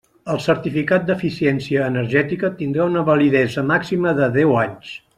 El Certificat d'Eficiència Energètica tindrà una validesa màxima de deu anys.